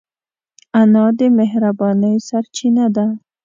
انا د مهربانۍ سرچینه ده